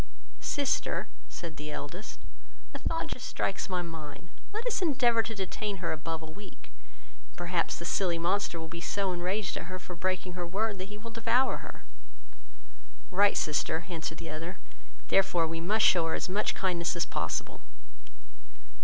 "Sister, said the eldest, a thought just strikes my mind; let us endeavour to detain her above a week, and perhaps the silly monster will be so enraged at her for breaking her word, that he will devour her." "Right, sister, answered the other, therefore we must shew her as much kindness as possible."